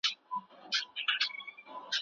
ایا فایبر هضم اسانه کوي؟